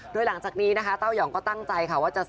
โดยหลังจากนี้นะคะเต้าหย่องก็ตั้งใจ